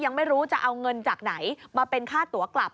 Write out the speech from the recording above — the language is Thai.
ยังไม่รู้จะเอาเงินจากไหนมาเป็นค่าตัวกลับ